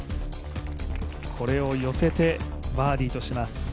これを寄せてバーディーとします。